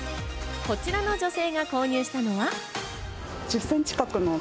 こちらの女性が購入したのは。